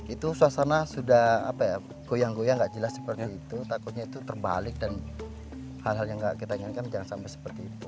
itu suasana sudah apa ya goyang goyang nggak jelas seperti itu takutnya itu terbalik dan hal hal yang nggak kita inginkan jangan sampai seperti itu